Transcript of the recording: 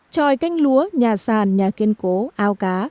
tròi canh lúa nhà sàn nhà kiên cố ao cá